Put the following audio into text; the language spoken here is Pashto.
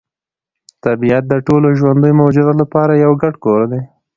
طبیعت د ټولو ژوندیو موجوداتو لپاره یو ګډ کور دی.